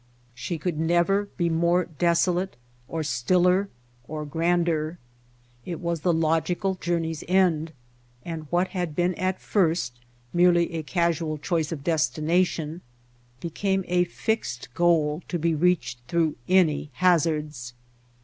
She could never be more deso late, or stiller or grander. It was the logical journey's end, and what had been at first merely a casual choice of destination became a fixed goal to be reached through any hazards.